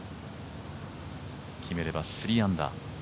決めれば３アンダー。